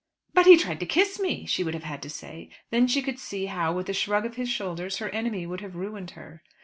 "But he tried to kiss me," she would have had to say. Then she could see how, with a shrug of his shoulders, her enemy would have ruined her.